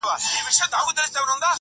خر چي هر کله چمونه کړي د سپیو!!